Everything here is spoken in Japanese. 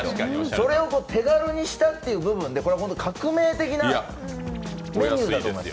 それを手軽にしたって部分でこれは革命的なメニューだと思います。